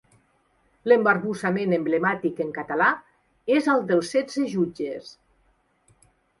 L'embarbussament emblemàtic en català és el dels setze jutges.